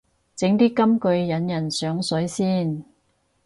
整啲金句引人上水先